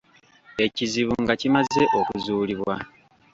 Ekizibu nga kimaze okuzuulibwa.